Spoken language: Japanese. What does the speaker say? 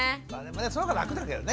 そのほうが楽だけどね。